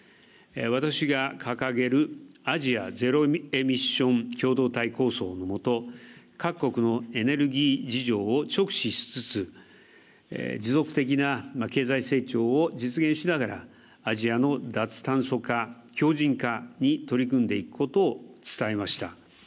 私が掲げるアジア・ゼロエミッション共同体構想のもと各国のエネルギー事情を直視しつつ持続的な経済成長を実現しながらアジアの脱炭素化強じん化に取り組んでいくことを伝えました。